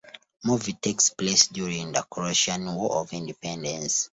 Movie takes place during the Croatian War of Independence.